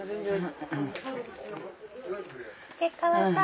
竹川さん。